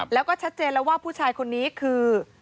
แล้วก็ชัดเจนแล้วว่าผู้ชายคนนี้คือ